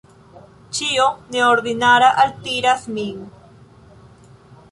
Ĉio neordinara altiras min.